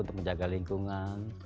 untuk menjaga lingkungan